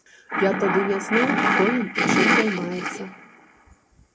Я тады не знаў, хто ён і чым займаецца.